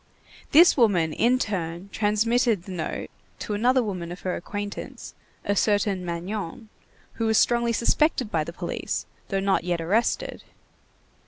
This woman in turn transmitted the note to another woman of her acquaintance, a certain Magnon, who was strongly suspected by the police, though not yet arrested.